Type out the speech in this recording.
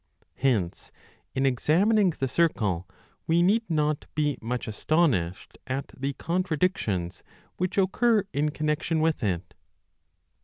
Hence in examining the circle we need not be much astonished at the contradictions which occur in connexion with it.